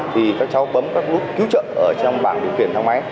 thì các cháu bấm các nút cứu trợ ở trong bảng điều kiện thang máy